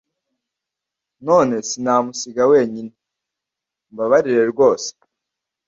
none sinamusiga wenyine, umbabarirerwose